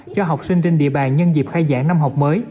cho học sinh trên địa bàn nhân dịp khách